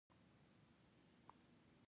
چې د سیند غاړې ته وګورم، زما له ځغاستې.